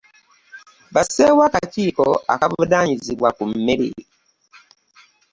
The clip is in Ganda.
Basewo akakiiko akavunaanyizibwa ku mmere.